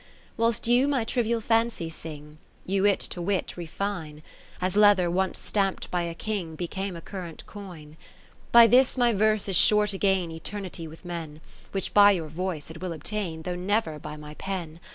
Whilst you my trivial fancy sing. You it to wit refine. As leather once stamp'd by a King Became a current coin. 20 By this my verse is sure to gain Eternity with men, Which by your voice it will obtain, Though never by my pen.